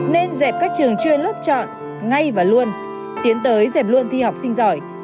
nên dẹp các trường chuyên lớp chọn ngay và luôn tiến tới dẹp luôn thi học sinh giỏi